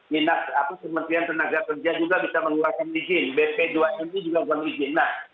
dinas kementerian tenaga kerja juga bisa mengeluarkan izin bp dua mi juga mohon izin